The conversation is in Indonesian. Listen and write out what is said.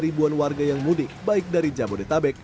ribuan warga yang mudik baik dari jabodetabek